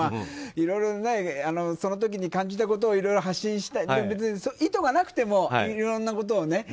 いろいろその時に感じたことをいろいろ発信して意図がなくてもいろんなことをね